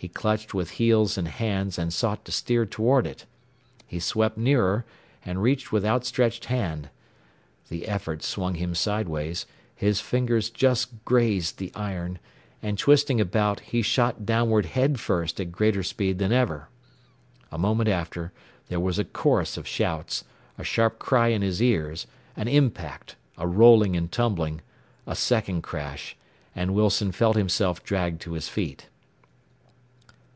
He clutched with heels and hands, and sought to steer toward it. He swept nearer, and reached with outstretched hand. The effort swung him sideways, his fingers just grazed the iron, and twisting about, he shot downward head first at greater speed than ever. A moment after there was a chorus of shouts, a sharp cry in his ears, an impact, a rolling and tumbling, a second crash, and Wilson felt himself dragged to his feet.